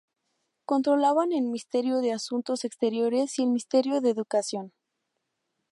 Controlaban el Ministerio de Asuntos Exteriores y el Ministerio de Educación.